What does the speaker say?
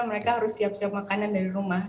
mereka harus siap siap makanan dari rumah